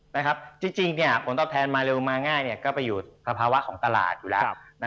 จริงผลตอบแทนมาเร็วมาง่ายก็ไปอยู่สภาวะของตลาดอยู่แล้ว